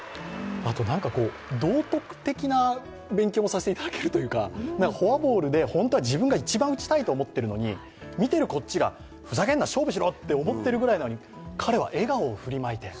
道徳的な勉強もさせていただけるというか、フォアボールで本当は自分が一番打ちたいと思っているのに見ているこっちが、ふざけんな、勝負しろと思ってるぐらいなのに彼は笑顔を振りまいている。